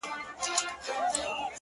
مُلا سړی سو په خپل وعظ کي نجلۍ ته ويل;